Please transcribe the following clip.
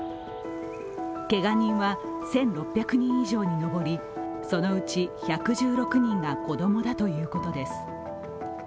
けが人は１６００人以上に上り、そのうち１１６人が子供だということです。